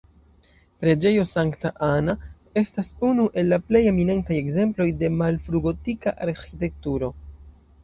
Preĝejo Sankta Anna estas unu el la plej eminentaj ekzemploj de malfru-gotika arĥitekturo.